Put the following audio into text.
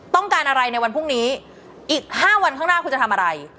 ต้องการอะไรในวันพรุ่งนี้อีก๕วันข้างหน้าคุณจะทำอะไร